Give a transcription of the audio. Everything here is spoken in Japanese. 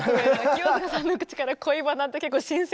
清塚さんの口から「恋バナ」って結構新鮮。